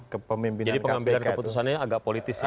kepemimpinan kpk jadi pengambilan keputusannya agak politis ya